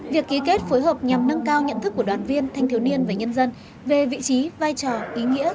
việc ký kết phối hợp nhằm nâng cao nhận thức của đoàn viên thanh thiếu niên và nhân dân về vị trí vai trò ý nghĩa